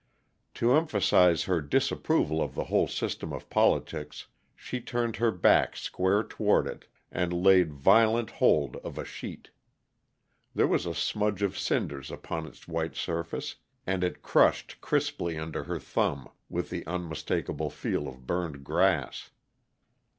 To emphasize her disapproval of the whole system of politics, she turned her back square toward it, and laid violent hold of a sheet. There was a smudge of cinders upon its white surface, and it crushed crisply under her thumb with the unmistakable feel of burned grass.